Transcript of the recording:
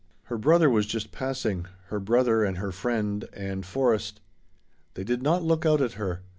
Her brother was just passing her brother and her friend Ann Forrest. They did not look out at her.